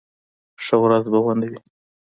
ښه ورځ به و نه وي.